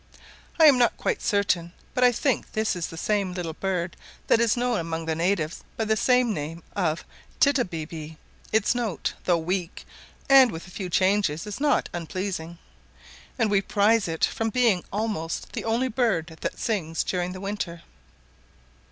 I am not quite certain, but I think this is the same little bird that is known among the natives by the name of Thit a be bee; its note, though weak, and with few changes, is not unpleasing; and we prize it from its being almost the only bird that sings during the winter.